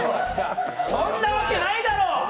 そんなわけないだろ！